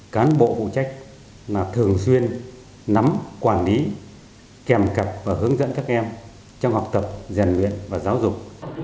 cán bộ phụ trách là thường xuyên nắm quản lý kèm cặp và hướng dẫn các em trong học tập giàn luyện và giáo dục